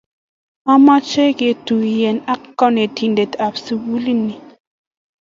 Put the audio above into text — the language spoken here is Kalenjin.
Amache ketuyen ak kanetindet ap sukuli ni.